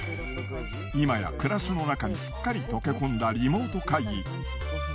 今や暮らしのなかにすっかり溶け込んだリモート会議。